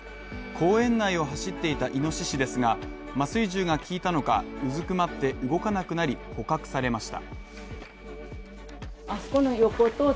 公園内を走っていたイノシシですが、麻酔銃が効いたのか、うずくまって動かなくなり捕獲されました。